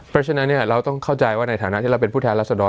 เพราะฉะนั้นเราต้องเข้าใจว่าในฐานะที่เราเป็นผู้แทนรัศดร